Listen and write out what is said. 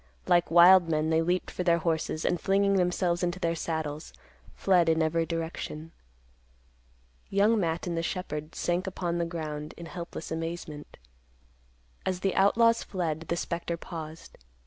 Like wild men they leaped for their horses, and, flinging themselves into their saddles, fled in every direction. Young Matt and the shepherd sank upon the ground in helpless amazement. As the outlaws fled, the spectre paused.